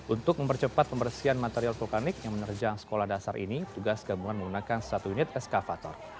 untuk mempercepat pembersihan material vulkanik yang menerjang sekolah dasar ini tugas gabungan menggunakan satu unit eskavator